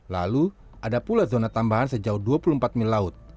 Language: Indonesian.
lalu ada pula zona tambahan sejauh dua puluh empat mil laut